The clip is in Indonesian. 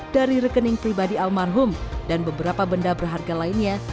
dari rekening pribadi almarhum dan beberapa benda berharga lainnya